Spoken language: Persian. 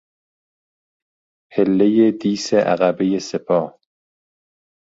پله دیس عقبهی سپاه